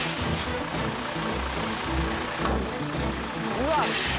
うわっ！